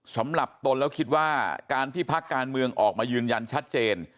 ตนแล้วคิดว่าการที่พักการเมืองออกมายืนยันชัดเจน